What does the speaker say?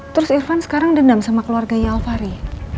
terus irfan sekarang dendam sama keluarganya alfari